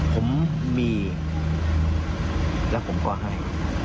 ผมมีแล้วผมก็ให้